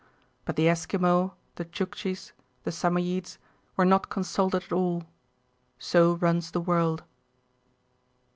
But the Esquimaux, the Tchouktchis, the Samoyedes were not consulted at all. So runs the world.